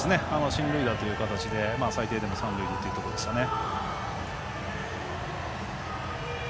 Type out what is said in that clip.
進塁打という形で最低でも三塁へというところでしたね。